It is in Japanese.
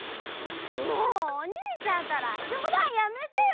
もうおにいちゃんったらじょうだんやめてよ！